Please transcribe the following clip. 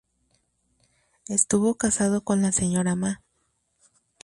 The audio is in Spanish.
Estuvo casado con la señora Ma.